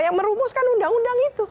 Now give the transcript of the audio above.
yang merumuskan undang undang itu